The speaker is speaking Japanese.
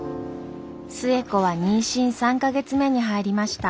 寿恵子は妊娠３か月目に入りました。